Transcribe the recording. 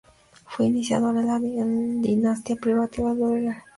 Fue el iniciador de la dinastía privativa de Urgel.